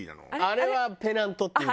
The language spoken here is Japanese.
あれペナントか。